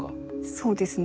そうですね。